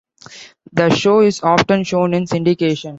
The show is often shown in syndication.